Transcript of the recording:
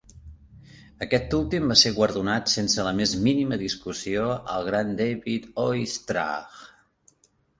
Aquest últim va ser guardonat sense la més mínima discussió al gran David Oistrakh.